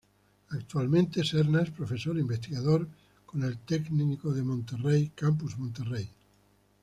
Actualmente Serna es profesor e investigador con el Tec de Monterrey, Campus Monterrey.